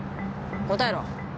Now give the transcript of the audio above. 答えろ。